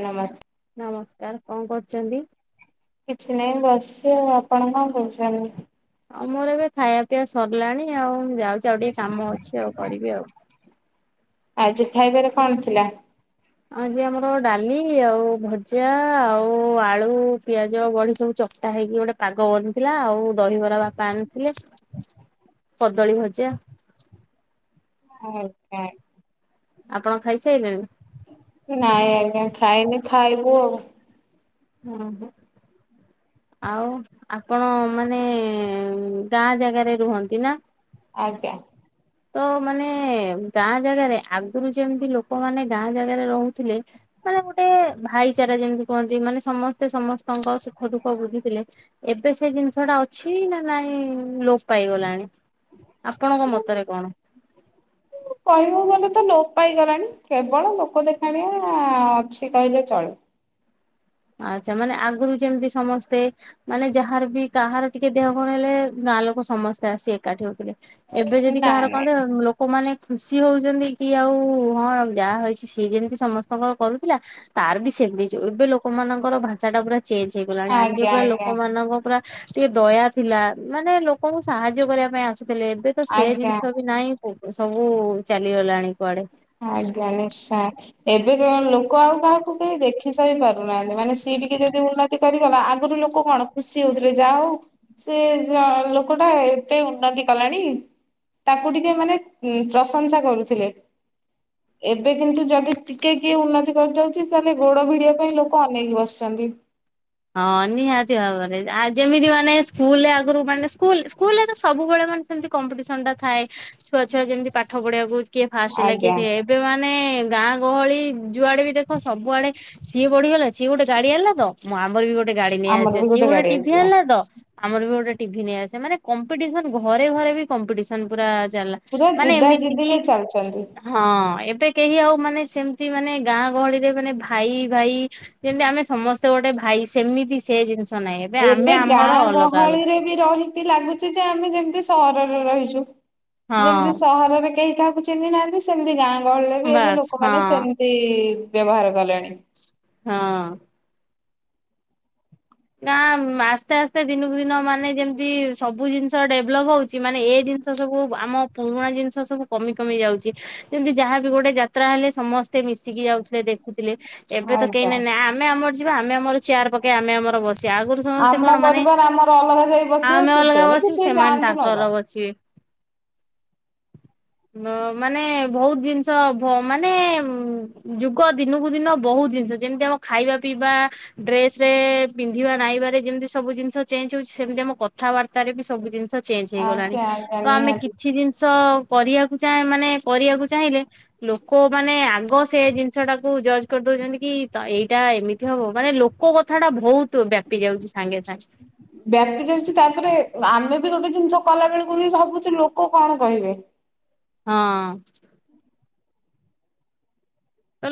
ଏ ନମସ୍ ନମସ୍କାର କଣ କରୁଚନ୍ତି। କିଛି ନାହିଁ ବସିଚି ଆପଣ କଣ କରୁଛନ୍ତି। ଆଉ ମୋର ଏବେ ଖାଇଆ ପିବା ସରିଲାଣି ଆଉ ମୁ ଯାଉଛି ଆଉ ଟିକେ କାମ ଅଛି ଆଉ କରିବି ଆଉ। ଆଜି ଖାଇବାରେ କଣ ଥିଲା। ଆଜି ଆମର ଡାଲି ଆଉ ଭଜା ଆଉ ଆଳୁ ପିଆଜ ବଡି ସବୁ ଚ କଟା ହେଇକି ଗୋଟେ ପାଗ ବନିଥିଲା ଆଉ ଦହିବରା ବାପା ଆଣିଥିଲେ। କଦଳୀ ଭଜା। [unintelligible] ଆପଣ ଖାଇ ସାଇଲେଣି। ନାଇଁ ଆଜ୍ଞା ଖାଇନି ଖାଇବୁ ଆଉ। ଅ ହଁ ଆଉ। ଆପଣ ମାନେ ଗାଁ ଜାଗାରେ ରୁହନ୍ତି ନା। ଆଜ୍ଞା। [inaudible] ତ ମାନେ ଗାଁ ଜାଗାରେ ଆଗରୁ ଯେମିତି ଲୋକମାନେ ଗାଁ ଜାଗାରେ ରହୁଥିଲେ। ମାନେ ଗୋଟେ ଭାଇଚାରା ଯେମିତି କୁହନ୍ତି ମାନେ ସମସ୍ତେ ସମସ୍ତଙ୍କ ସୁଖ ଦୁଃଖ ବୁଝୁଥିଲେ। ଏବେ ସେ ଜିନିଷ ଟା ଅଛି ନା ନାଇଁ ଲୋପ ପାଇଗଲାଣି। ଆପଣଙ୍କ ମତରେ କଣ। କହିବାକୁ ଗଲେ ତ ଲୋପ ପାଇଗଲାଣି କେବଳ ଲୋକ ଦେଖାଣିଆ ଅଛି କହିଲେ ଚଳେ। ଆଛା ମାନେ ଆଗରୁ ଯେମିତି ସମସ୍ତେ ମାନେ ଯାହାର ବି କାହାର ଟିକେ ଦେହ କଣ ହେଲେ ଗାଁ ଲୋକ ସମସ୍ତେ ଆସି ଏକାଠି ହଉଥିଲେ। ଏବେ ଯଦି କାହାର ନାଇଁ କଣ ନାଇଁ ଦେହ ଲୋ କମାନେ ଖୁସି ହଉଛନ୍ତି କି ଆଉ ହଁ ଯାହା ହେଇଛି ସିକ୍ ହେଇଚି ସମସ୍ତଙ୍କର କରୁଥିଲା। ତାର ବି ସେମି ଜୋ ଏବେ ଲୋକମାନଙ୍କର ଭାଷା ଟା ପୁରା ଚେଞ୍ଜ ହେଇଗଲାଣି ଆଗେ ଆଜ୍ଞା ପୁରା ଆଜ୍ଞା ଲୋକମାନଙ୍କ ପୁରା ଟିକେ ଦୟା ଥିଲା ମାନେ ଲୋକଙ୍କୁ ସାହାଯ୍ୟ କରିବା ପାଇଁ ଆସୁଥିଲେ ଏବେ ତ ସେ ଆଜ୍ଞା। ଜିନିଷ ବି ନାହିଁ। ଉ ସବୁ ଚାଲିଗଲାଣି କୁଆଡେ। ଆଜ୍ଞା ନିଶ୍ଚୟ ଏବେ କୋ ଲୋକ ଆଉ କାହାକୁ କେହି ଦେଖ ଖି ସହି ପାରୁନାହାନ୍ତି ମାନେ ସିଏ ଟିକେ ଯଦି ଉନ୍ନତି କରିଗଲା ଆଗରୁ ଲୋକ କଣ ଖୁସି ହଉଥିଲେ ଯାହଉ ସେ ଯ ଲୋକ ଟା ଏତେ ଉନ୍ନତି କଲାଣି ତାକୁ ଟିକେ ମାନେ ଉଁ ପ୍ରଶଂସା କରୁଥିଲେ। ଏବେ କିନ୍ତୁ ଯଦି ଟିକେ କିଏ ଉନ୍ନତି କରିଯାଉଛି ତାଲେ ଗୋଡ ଭିଡିିବା ପାଇଁ ଲୋକ ଅନେଇକି ବସିଛନ୍ତି। ହଁ ନିହାତି ଭାବରେ ଆ ଯେମିତି ମାନେ ସ୍କୁଲ ଆଗରୁ ମାନେ ସ୍କୁଲୁ ସ୍କୁଲୁରେ ତ ସବୁବେଳେ ମାନେ ସେମତି କମ୍ପିଟିସନ ଟା ଥାଏ ଛୁଆ ଛୁଆ ଯେମିତି ପାଠ ପଢିବାକୁ କିଏ ଫାଷ୍ଟ ହେଲା କିଏ? ଆଜ୍ଞା ଏବେ ମାନେ ଗାଁ ଗହଳି ଯୁଆଡେ ବି ଦେଖ ସବୁଆଡେ ସିଏ ବଢିଗଲା ସିଏ ଗୋଟେ ଗାଡି ଆଣିଲା ତ। ମୁଁ ଆମର ବି ଗୋଟେ ଗାଡି ଆମର ନେଇଆସିବା ବି ସିଏ ଗୋଟେ ଗାଡି ଟିଭି ଆସିବ ଆଣିଲା ତ। ଆମର ବି ଗୋଟେ ଟିଭି ନେଇଆସେ ମାନେ କମ୍ପିଟେସନ ଘରେ ଘରେ ବି କମ୍ପିଟେସନ ପୁରା ଚାଲିଲ। ପୁରା ଜିଦା ଜିଦି ରେ ଚାଲୁଚନ୍ତି। ହଁ ଏବେ କେହି ଆଉ ମାନେ ସେମତି ମାନେ ଗାଁ ଗହଳିରେ ମାନେ ଭାଇ ଭାଇ ଯେମତି ଆମେ ସମସ୍ତେ ଗୋଟେ ଭାଇ ସେମିତି ସେ ଜିନିଷ ନାହିଁ ଏବେ ଆମେ ଗାଁ ଆମର ଅଲଗା ଅଲଗା। ଗହଳିରେ ରହିକି ଲାଗୁଚି ଯେ ଆମେ ଯେମତି ସହରରେ ରହିଚୁ। ଯେମିତି ହଁ ସହରରେ କେହି କାହାକୁ ଚିହ୍ନି ନାହାନ୍ତି ସେମିତି ଗାଁ ଗହଳିରେ ବି ଏବେ ବାସ୍ ହଁ ଲୋକମାନୋନ ସେମି ସେ ଇ ବ୍ୟବହାର କଲେଣି। ହଁ। ନା ଆସ୍ତେ ଆସ୍ତେ ଦିନକୁ ଦିନ ମାନେ ଯେମତି ସବୁ ଜିନିଷ ଡେଭଲପ୍ ହେଉଚି ମାନେ ଏ ଜିନିଷ। ସବୁ ଆମର ପୁରୁଣା ଜିନିଷ ସବୁ କମି କମି ଯାଉଚି। ଯେମିତି ଯାହାବି ଗୋଟେ ଯାତ୍ରା ହେଲେ ସମସ୍ତେ ମିଶିକି ଯାଉଥିଲେ ଦେଖି। ଥିଲେ ଏବେ ତ କେହି ଆଜ୍ଞା ନାଇଁ ନାାଇ ଆମେ ଆମର ଯିବା ଆମେ ଆମର ଚେୟାର ପକେଇ ଆମେ ଆମର ସିଏ ଆଗରୁ ସମସ୍ତେ ଆମ କଣ ମାନେ ପରିବାର ଆମର ଅଲଗା ଯାଇ ବସିବେ ଆମେ ସେ ଅଲଗା ତେଣିକି ବସୁ ସେ ସେମାନେ ଯାଆନ୍ତୁ ନ ତାଙ୍କ ର ଯାଆନ୍ତୁ। ବ ସିଏ। ମାନେ ବହୁତ ଜିନିଷ ମାନେ ଯୁଗ ଦିନକୁ ଦିନ ବହୁତ ଜିନିଷ ଯେମିତି ଆମ ଖାଇବା ପିଇବା ଡ୍ରେସ ରେ ପିନ୍ଧିବା ନାଇବାରେ ଯେମିତି ସବୁ ଜିନିଷ ଚେଞ୍ଜେ ହେଉଚି ସେମିତି ଆମ କଥାବାର୍ତ୍ତାରେ ବି ସବୁ ଜିନିଷ ଚେଞ୍ଜେ ହେଇଗଲାଣି ଆଜ୍ଞା ଆଜ୍ଞା ତ ଆମେ ନିହାତି କିଛି ଜିନିଷ କରିବାକୁଁ ମାନେ କରିବାକୁ ଚାହିଁଲେ ଲୋକ ମାନେ ଆଗ ସେ ଜିନିଷ ଟାକୁ ଜଜ୍ କରିଦଉଛନ୍ତି କି ଏଇଟା ଏମିତି ହବ ମାନେଲୋକ୍। କଥା ଟା ବହୁତ ବ୍ୟାପି ଯାଉଛି ସାଙ୍ଗେ ସାଙ୍ଗେ। ବ୍ୟାପି ଯାଉଛି ତାପରେ ଆମେ ବି ଗୋଟେ ଜିନିଷ କଲା ବେଳକୁ ବି ଭାବୁଛୁ ଲୋକ କଣ କହିବେ। ହଁ।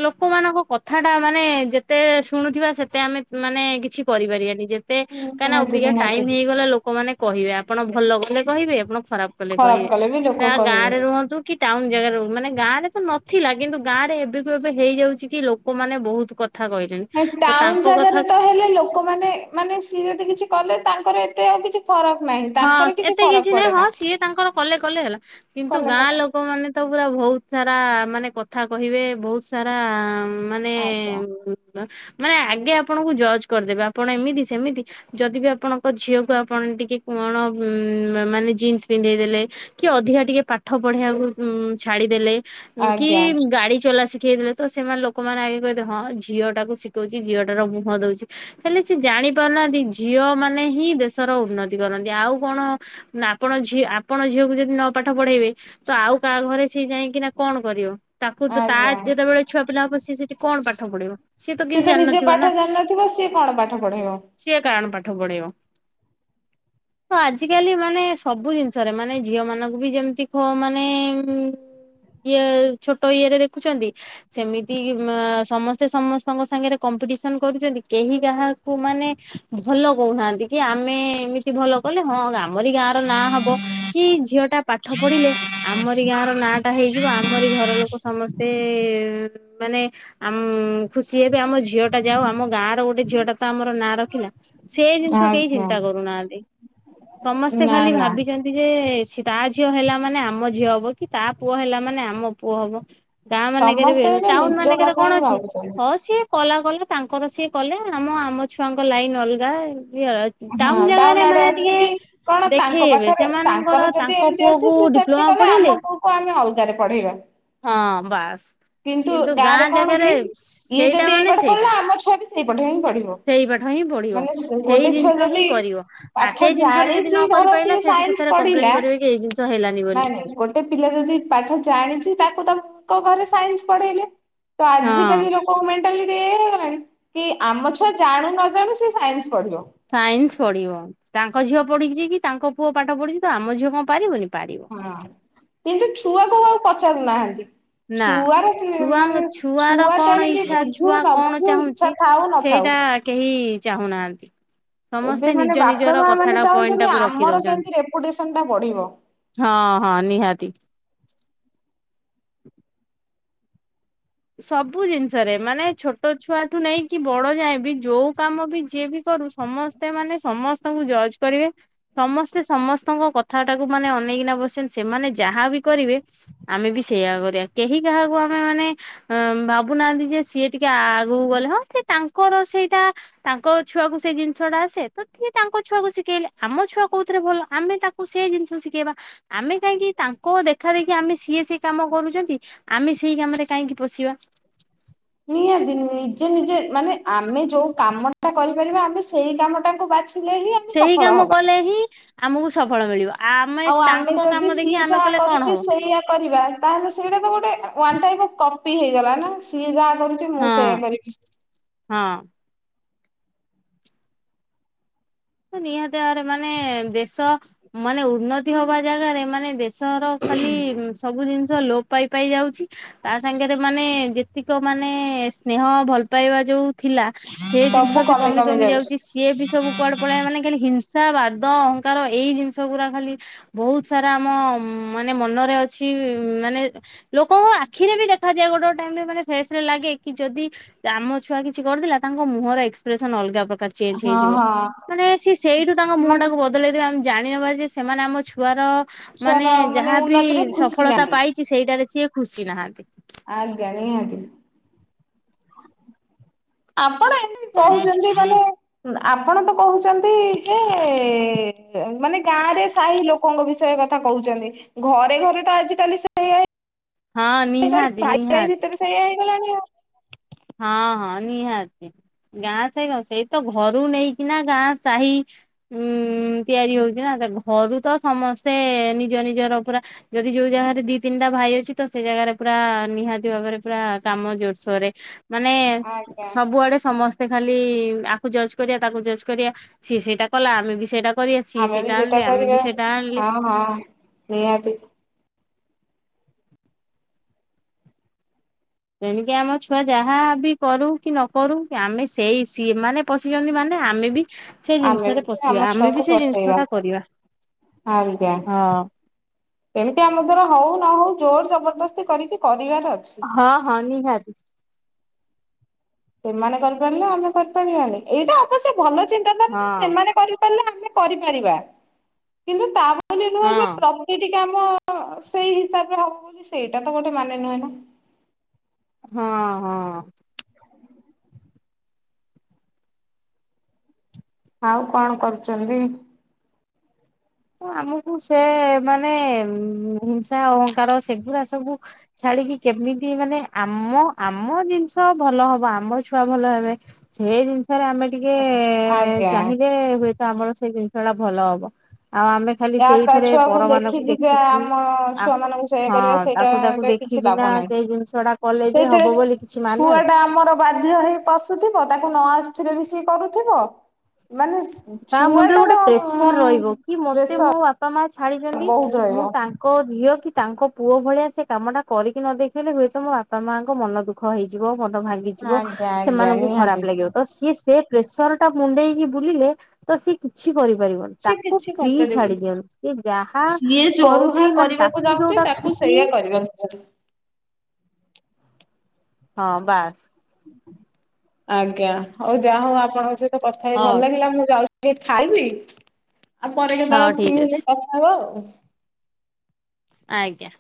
ଲୋକମାନଙ୍କ କଥା ଟା ମାନେ ଯେତେ ଶୁଣୁଥିବା ସେତେ ଆମେ ମାନେ କିଛି କରିପାରିବାାନି ଯେ। ଏ କାହିଁକିନା ନିହାତି ଅବିକା ନିହାତି ଟାଇମ ହେଇଗଲା ଲୋକମାନେ କହିବେ ଆପଣ ଭଲ କଲେ କହିବେ ଆପଣ ଖରାପ। କଲେ କହିବେ କଲେ ବି ଲୋକ ସାରେ ଗାଁ କହିବେ। ରେ ରୁହନ୍ତୁ। କି ଟାଉନ ଜାଗା ରେ ମାନେ ଗାଁ ରେ ତ ନଥିଲା କିନ୍ତୁ ଗାଁ ରେ ଏବେ ଏ ବେ ହେଇଯାଉଛି କି ଲୋକମାନେ ବହୁତ୍ କଥା କହିଲେଣି। ତ ଟାଉନ ତାଙ୍କ କଥା ଜାଗାରେ ତ ହେଲେ ଲୋକମାନେ ମାନେ ସିଏ ଯଦି କିଛି କଲେ ତାଙ୍କର ଏତେ ଆଉ କିଛି ଫରକ ନାହିଁ। ହଁ ତାଙ୍କର ଏତେ ଫରକ କିଛି ନାଇଁ ପଡେ ହଁ ନା ସିଏ ତାଙ୍କର କଲେ କଲେ ହେଲା କିନ୍ତୁ କଲେ ଗାଁ କଲେ ଲୋକ ଏ ମାନେ ତ ପୁରା ବହୁତ ସାରା ମାନେ କଥା କହିବେ ବହୁତ ସାରା ମାନେ ଆଜ୍ଞା। ମାନେ ଆଗେ ଆପଣଙ୍କୁ ଜଜ କରିଦେବେ ଆପଣ ଏମିତି ସେମିତି। ଯଦି ବିି ଆପଣଙ୍କ ଝିଅକୁ ଆପଣ ଟିକେ କଣ ମାନେ ଜିନ୍ସ୍ ପିନ୍ଧେଇ ଦେଲେ। କି ଅଧିକା ଟିକେ ପାଠ ପଢେଇିବାକୁ ଛାଡିଦେଲେ କି ଆଜ୍ଞା ଗାଡି ଚଲା ଶିଖେଇ ଲେ। ତ ସେମାନେ ଲୋକମାନେ ଆଗେକହିଦେବେ ହଁ ଝିଅ ଟାକୁ ଶିଖଉଚି ଝିଅଟାର ମୁହଁ ଦଉଚି। ହେଲେ ସେ ଜାଣି ପାରୁନାହାନ୍ତି ଝିଅ ମାନେ ହିଁ ଦେଶର ଉନ୍ନତି କରନ୍ତି ଆଉ କଣ? ଆପଣ ଝିଅ ଆପଣ ଝିଅକୁ ଯଦି ନ ପାଠ ପଢେଇବେ ତ ଆଉ କାହା ଘରେ ସେ ଯାଇକି ନା କଣ କରିବ। ତାକୁ ତା ଆଜ୍ଞା ଯେତେବେଳେ ଛୁଆ ପିଲା ହବ ସେ ସେଠି କଣ ପାଠ ପଢେଇବ। ସିଏ ତ ନିଜ ପାଠ ଜାଣିନଥିବ ସିଏ କଣ ପାଠ ପଢେଇବ। ସିଏ କାଣ ପାଠ ପଢେଇବ? ତ ଆଜିକାଲି ମାନେ ସବୁ ଜିନିଷର ମାନେ ଝିଅ ମାନଙ୍କୁ ବି ଯେମତି ପୁଆ ମାନେ ଙ୍କୁ। ଇଏ ଛୋଟ ଇଏ ରେ ଦେଖୁଛନ୍ତି। ସେମିତି ମ ସମସ୍ତେ ସମସ୍ତଙ୍କ ସାଙ୍ଗରେ କମ୍ପିଡିସନ କରୁଛନ୍ତି କେହି କାହାକୁ ମାନେ। ଭଲ କହୁନାହାନ୍ତି କି ଆମେ ଏମିତି ଭଲ କଲେ ହଁ ଆମରି ଗାଁ ର ନାଁ ହବ। କି ଝିଅ ଟା ପାଠ ପଢିଲେ। ଆମରି ଗାଁର ନାଁ ଟା ହେଇଯିବ ଆମରି ଘର ଲୋକ ସମସ୍ତେ ମାନେ। ଆମ୍ ଖୁସି ହେବେ ଆମ ଝିଅ ଟା ଯା ହୋଉ ଆମ ଗାଁ ର ଗୋଟେ ଝିଅ ଟା ତ ଆମର ନାଁ ରଖିଲା। ସେ ଜିନିଷ କେହି ଆଜ୍ଞା। ଚିନ୍ତା କରୁନାହାନ୍ତି ସମସ୍ତେ ନା ଖାଲି ନା ଭାବିଛ ନ୍ତି ଯେ ସେ ତା ଝିଅ ହେଲା ମାନେ ଆମ ଝିଅ ହବ କି ତା ପୁଅ ହେଲା ମାନେ ଆମ ପୁଅ ହବ। ଗାଁ ମାନଙ୍କରେ ବି ସମସ୍ତେ ଏବେ ଟାଉନ ନିଜ ମାନେଙ୍କରେ କଥା କଣ ହିଁ ଅଛି ଭାବୁଛନ୍ତି। ହଁ ସିଏ। କଲା କଲେ ତାଙ୍କର ସିଏ କଲେ ଆମ ଆମ ଛୁଆଙ୍କ ଲାଇନ ଅଲଗା ଇଏ ଅ। ହଁ ଟ ଆମଆଡେ ଅଛି କି କଣ ତାଙ୍କ ଦେଖେଇବେ ପାଖରେ ତାଙ୍କର ସେମାନଙ୍କର ଯଦି ତାଙ୍କ ଏମିତି ଅଛି ପୁଅକୁ ସେ ସେମତି ଡିପ୍ଲୋମା କଲେ ପଢେଇଲେ ଆମ। କୁ କ ଆମେ ଅଲଗାରେ ପଢେଇବା। ହଁ ବାସ୍। କିନ୍ତୁ ଗାଁରେ ଗାଁ କଣ ଜାଗାରେ କି ଇଏ ସେଇଟା ଯଦି ଏଇ ମାନେ ପାଠ ସେଇଟା। ପଢିଲା ଆମ ଛୁଆ ବି ସେଇ ପାଠ ହିଁ ପଢିବ। ସେଇ ପାଠ ହିଁ ପଢିବ ମାନେ ସେଇ ଗୋଟେ ଛୁଆ ଜିନିଷ ହିଁ ଯଦି କରିବ। ଆ ପାଠ ସେଇ ଜିନିଷରେ ଯଦି ଜାଣିଛି ନ କରି ଧର ପାଇଲା ସିଏ ସେ ସାଇନ୍ସ ସେଥିରେ କମ୍ପ୍ଲେନ ପଢିଲା କରିବେ କି ଏଇ ଜିନିଷ ହେଲାନି ବୋଲି। ନାଇଁ ଗୋଟେ ପିଲା ଯଦି ପାଠ ଜାଣିଛି ତାକୁ ତାଙ୍କ ଘରେ ସାଇନ୍ସ ପଢେଇଲେ। ତ ହଁ ଆଜିିକାଲି ଲୋକଙ୍କ ମେଣ୍ଟାଲିଟି ଏୟା ହେଇଗଲାଣି। କି ଆମ ଛୁଆ ଜାଣୁ ନ ଜାଣୁ ସେ ସାଇନ୍ସ ପଢିବ। ସାଇନ୍ସ ପଢିବ ତାଙ୍କ ଝିଅ ପଢିଛି କି ତାଙ୍କ ପୁଅ ପାଠ ପଢିଛି ତ ଆମ ଝିଅ କଣ ପାରିବନି ପାରିବ। ହଁ କିନ୍ତୁ ଛୁଆକୁ ଆଉ ପଚାରୁନାହାନ୍ତି। ନା ଛୁଆର ଚ ଛୁଆଙ୍କ ମାନେ ଛୁଆର ଛୁଆ ଟ କଣ ଆଣିକି ଇଚ୍ଛା ବୁଝୁ ଛୁଆ ନ କଣ ବୁଝୁ ଚାହୁଁଛି ଇଚ୍ଛା ଥାଉ ନଥାଉ। ସେଇଟା କେହି ଚାହୁଁନାହାନ୍ତି। ଏବେ ସମସ୍ତେ ମାନେ ନିଜ ବାପା ନିଜର ମା ମାନେ କଥାଟା ପଏଣ୍ଟ ଚାହୁଁଛନ୍ତି ଟାକୁ ରଖି ଆମର ଦଉଛନ୍। କେମିତି ରେପୁଟେସନ ଟା ବଢିବ ହଁ ହଁ ନିହାତି। [inaudible] ସବୁ ଜିନିଷରେ ମାନେ ଛୋଟ ଛୁଆଠୁ ନେଇକି ବଡ ଯାଏଁ ବି ଯୋଉ କାମ ବି ଯିଏ ବି କରୁ ସମ ସେ ମାନେ ସମସ୍ତଙ୍କୁ ଜଜ୍ କରିବେ। ସମସ୍ତେ ସମସ୍ତଙ୍କ କଥା ଟାକୁ ମାନେ ଅନେଇକିନା ବସିଛନ୍ତି ସେମାନେ ଯାହାବି କରିବେ। ଆମେ ବି ସେଇଆ କରିବା କେହି କାହାକୁ ଆମେ ମାନେ। ଅ ଭାବୁନାହାନ୍ତି ଯେ ସିଏ ଟିକେ ଆଗକୁ ଗଲେ ହଁ ସେ ତାଙ୍କର ସେଇଟା। ତାଙ୍କ ଛୁଆକୁ ସେଇ ଜିନିଷ ଟା ଆସେ ତ ତିଏ ତାଙ୍କ ଛୁଆକୁ ଶିଖେଇଲେ ଆମ ଛୁଆ କୋଉଥିରେ ଭଲ ଆମେ ତା। କୁ ସେ ଜିନିଷ ଶିଖେଇବା ଆମେ କାହିଁକି ତାଙ୍କ ଦେଖା ଦେଖି ଆମେ ସିଏ ସି କାମ କରୁଛନ୍ତି। ଆମେ ସେଇ କାମରେ କାହିଁକି ପଶିବା। ନିହାତି ନିଜେ ନିଜେ ମାନେ ଆମେ ଯୋଉ କାମ ଟା କରିପାରିବା ଆମେ ସେଇ କାମ ଟାକୁ ବାଛିଲେ ହିଁ। ଆମେ ସେଇ ସଫଳ କାମ ହବା କଲେ ହିଁ ଆମକୁ ସଫଳ ମିଳିବ। ଆମେ ଆଉ ଆମେ ତାଙ୍କ ଯଦି କାମ ଦେଖି ସିଏ ଆମେ ଯାହା କଲେ କଣ କରୁଛି ହବ ସେଇୟଆ କରିବା। ତାହେଲେ ସେଇଟା ତ ଗୋଟେ ଓଂନଟାଇପ ଅଫ କପି ହେଇଗଲା ନା ସିଏ ଯାହା କରୁଛି ମୁଁ ସେଇୟା ହଁ କରିବି। ହଁ। ନିହାତି ଭାବରେ ମାନେ ଦେଶ ମାନେ ଉନ୍ନତି ହବା ଜାଗାରେ ମାନେ ଦେଶ। ତର ଖାଲି ହୁଁ ସବୁ ଜିନିଷ ଲୋପ ପାଇପଇ ଯାଉଛି। ତା ସାଙ୍ଗରେ ମାନେ ଯେତିକ ମାନେ ସ୍ନେହ ଭଲ ପାଇବା ଯୋଉ ଥିଲା। ସେ ଜିନିଷ ବି କମି କମି ଯାଉଛି ସିଏ ବି ସବୁ କୁଆଡେ। ବିକଳିଆ ମାନେ ଖାଲି ହିଂସା ବାଦ ଅହଙ୍କାର ଏଇ ଜିନିଷ ଗୁରା ଖାଲି। ବହୁତ୍ ସାରା ଆମ ମାନେ ମନରେ ଅଛି ମାନେ ଲୋକଙ୍କ ଆଖିରେବି ଦେଖାଯାଏ ଗୋଟେ ଗୋଟେ ଟାଇମରେ ମାନେ ଫେସରେ ଲାଗେ କିଯଦି ଆମ ଛୁଆ କିଛି କରିୁଥିଲା ତାଙ୍କ ମୁହଁର ଏକ୍ସପ୍ରେସନ ଅଲଗା ପ୍ରକାର ଚେଞ୍ଜ ହଁ ହେଇଯିବ। ହଁ। ମାନେ ସେସେଇଠୁ ତାଙ୍କ ମୁହଁ ମାନେ ଟାକୁ ବଦଳେଇ ଦେବେ ଆମେ ଜାଣିନେବାଯେ ସେମାନେ ଆମ ଛୁ ଛୁଆର ମାନେ ଛୁଆର ଯାହାବି ଉନ୍ନତିରେ ଖୁସି ସଫଳତା ନାହାନ୍ତି ପାଇଚି ସେଇଟାରେ ସିଏ ଖୁସି ନାହାନ୍ତି। ଆଜ୍ଞା ନିହାତି ଆପଣ ଏମିତି କହିଚନ୍ତି [inaudible] ଆପଣତ କହୁଛନ୍ତିଯେ ମାନେ ଗାଁରେ ସାହି ଲୋକ ଲୋକଙ୍କ ବିଷୟରେ କଥା କହୁଛନ୍ତି ଘରେ ଘରେତ ଆଜିିକାଲି ସେଇ ହଁ ନିହାତି ନିହାତି। ଭିତରେ ସେଇଆ ହେଇଗଲାଣି ଆଉ। ହଁ ହଁ ନିହାତି ଗାଁ ସେଇ ସେଇତ ଘରୁ ନେଇକିନା ଗାଁ ସାହି ଉଁ ତିଆରି ହଉଚିନା ଘରୁତ ସମସ୍ତେ ନିଜ ନିଜର ପୁରା ଯଦି ଯୋଉ ଜାଗାରେ ଦି ତିନିଟା ଭାଇ ଅଛି ତସେଇ ଜାଗାରେ ପୁରା ନିହାତି ଭାବରେ ପୁରା କାମ ଜୋରସୋରେ ମାନେ ଆଜ୍ଞା ସବୁଆଡ଼େ ସମସ୍ ଖାଲି ଆକୁ ଜଜ୍ କରିବା ତାକୁ ଜଜ୍ କରିବା ସିଏ ସେଇଟା କଲା ଆମେବି ସେଇଟା କରିବା ସିଏ ଆମେବି ସେଇଟା ଆଣିଲେ ଆମେ କରିବା ବି ସେଇଟା ଆଣିଲେ ହଁ ହଁ ନିହାତି। ତଣିକି ଆମ ଛୁଆ ଯାହାବି କରୁକି ନକରୁ କିଆମେ ସେଇ ସିଏ ମାନେ ପଶିଚନ୍ତି ମାନେ ଆମେବି ସେ ଆମେ ଜିନିଷରେ ବି ପଶିବା ଆମ ଛୁଆକୁ ଆମେବି ବସେଇବା ସେଜିନିଷଟା କରିବା। ତେଣିକି ଆମ ଦ୍ବାରା ହଉ ନହଉ ଜୋର ଜବରଦସ୍ତି କରିକି କରିବାର ଅଛି। ହଁ-ହଁ- ନିହାତି। ସେମାନେ କରିପାରିଲେ ଆମେ କରିପାରିବାନି ଏଇଟା ଆବଶ୍ୟ ଭଲ ଚିନ୍ତାଧାରାଯେ ହଁ ସେମାନେ କରି ତାଲେ ଆମେ କରିପାରିବା କିନ୍ତୁ ତାମନେ ନୁହଁଯେ ହଁ। ପ୍ର ଏଇଠିକି ଆମ ସେଇ ହିସାବରେ ହବ ବୋଲି ସେଇଟାତ ଗୋଟେ ମାନେ ନୁହେଁନା। ହଁ-ହଁ। ଆଉ କଣ କରୁଚନ୍ତି? ଉ ଆମକୁ ସେମାନେ ହିଂସା ଅହଙ୍କାର ସେଗୁଡ଼ା ସବୁ ଛାଡ଼ିକି କେମିତି ମାନେ ଆମ ଆମ ଜିନିଷ ଭଲ ହବ ଆମ ଛୁଆ ଭଲ ହେବେ। ସେଯିଜିନ୍ ଧର ଆମେ ଟିକେ ଆଜ୍ଞା ଚାହିଁଲେ ହୁଏତ ଆମର ସେଇ ଜିନିଷଟା ଭଲ ହବ ଆଉ ଆମେ ଖାଲି ୟା ତା ସେଇଥିରେ ଛୁଆକୁ ପରମାନଙ୍କୁ ଦେଖିକିଯେ ଦେଖିକି ଆମ ଆ ଛୁଆ ମାନଙ୍କୁ ସେଇୟା କରିବା ହଁ ତାକୁ ତାକୁ ସେଇଟରେ କିଛି ଦେଖିକିନା ଲାଭ ନାହିଁ। ସେଇ ଜିନିଷ ଟା କଲେ ଯେ ସେଇଥିରେ ହବ ବୋଲି କିଛି ମାନେ ଅଛି। ଛୁଆଟା ଆମର ବାଧ୍ୟ ହେଇ ପଶୁଥିବ ତାକୁ ନଆସୁଥିଲେବି ସିଏ କରୁଥିବ ମାନେ ସି ତା ମୁଣ୍ଡରେ ଗୋଟେ ଛୁଆଟାର ପ୍ରେସର ରହିବ କି ମତେ ପ୍ରେସର ମୋ ବାପା ମା ଛାଡ଼ିଦିଅନ୍ତି ବହୁତ ରହିବ। ମୁଁ ତା ଙ୍କ ଝିଅକି ତାଙ୍କ ପୁଅ ଭଳିଆସେ କାମଟା କରିକି ନଦେଖେଇଲେ ହୁଏତ ମୋ ବାପା ମାଆଙ୍କ ମନ ଦୁଃଖ ଦୁଃଖ ହେଇଯିବ ମନ ଭାଙ୍ଗିଯିବ ଆଜ୍ଞା ଆଜ୍ଞା ସେମାନଙ୍କୁ ନିହାତି। ଖରାପ୍ ଲାଗିବ। ତ ସିଏ ସେପ୍ରେସରଟା ମୁଣ୍ଡେଇକି ବୁଲିଲେ ତସିଏ କିଛି କରିପାରିବନି। ସେ ତାକୁ କିଛି ଫ୍ରି କରିପାରିବନି। ଛାଡ଼ିଦିଅନ୍ତୁ ସେଯାହା କରୁଚି ମାନେ ତାକୁ ଯୋଉଟା ତୁ ଖୁସି ସେଇଆ କରିବାକୁୁ ପଡ଼ୁ ହଁ- ବାସ୍। ଆଜ୍ଞା ହଉ ଯାହା ହଉ ଆପଣଙ୍କ ସହିତ କଥା ହେଇ ହଁ ଭଲ ଲାଗିଲା ମୁଁ ଯାଉଚି ଟିକେ ଖାଇବି ଆଉ ପରେ ହଁ କେତେବେଳେ ଫ୍ରି ଠିକ ଅଛି ହେଲେ କଥା ହବା ଆଉ। ଆଜ୍ଞା।